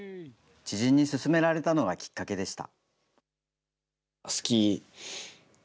知人に勧められたのがきっかけでした。